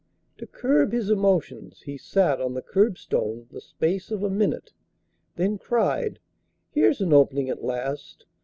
To curb his emotions, he sat On the curbstone the space of a minute, Then cried, "Here's an opening at last!"